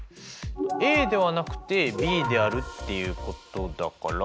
ＡではなくてＢであるっていうことだから。